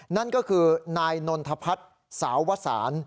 นั่นก็คือนายนนทพัฒน์สาววสาร